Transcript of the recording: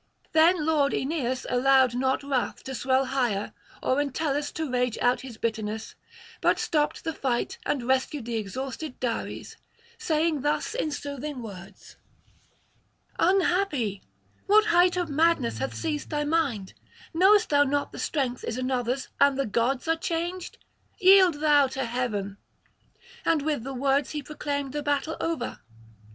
Then lord Aeneas allowed not wrath to swell higher or Entellus to rage out his bitterness, but stopped the fight and rescued the exhausted Dares, saying thus in soothing words: 'Unhappy! what height of madness hath seized thy mind? Knowest thou not the strength is another's and the gods are changed? Yield thou to Heaven.' And with the words he proclaimed the battle over.